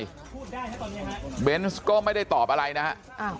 พูดได้นะตอนนี้ค่ะเบนส์ก็ไม่ได้ตอบอะไรนะอ่า